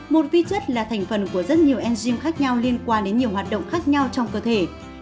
một vi chất là thành phần của rất nhiều enzym khác nhau liên quan đến nhiều hoạt động khác nhau trong cơ thể